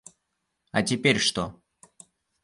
А теперь что?